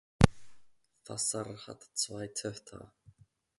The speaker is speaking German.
Vassar hat zwei Töchter.